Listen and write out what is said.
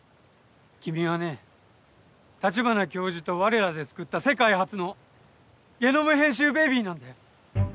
君はね立花教授と我らでつくった世界初のゲノム編集ベビーなんだよ。